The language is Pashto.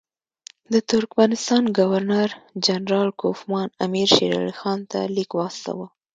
د ترکمنستان ګورنر جنرال کوفمان امیر شېر علي خان ته لیک واستاوه.